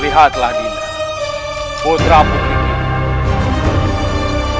lihatlah dina putra bukit ini